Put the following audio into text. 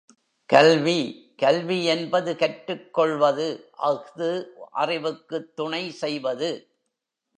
கல்வி கல்வி என்பது கற்றுக்கொள்வது அஃது அறிவுக்குத் துணை செய்வது.